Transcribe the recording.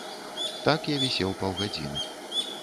Так я вісеў паўгадзіны.